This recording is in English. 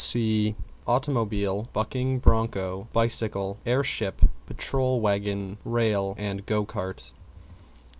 See Automobile, Bucking Broncho, Bicycle, Air Ship, Patrol Wagon, Rail, and Go Cart.